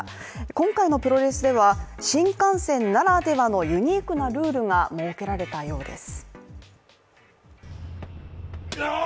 今回のプロレスでは新幹線ならではのユニークなルールが設けられたようです。